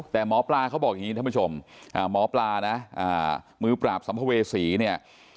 แต่หมอปลาเขาบอกอย่างนี้ท่านผู้ชมหมอปลานะมือปราบสัมภเวษีเนี่ย